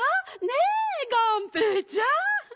ねえがんぺーちゃん。